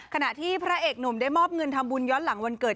ขณะที่พระเอกหนุ่มได้มอบเงินทำบุญย้อนหลังวันเกิด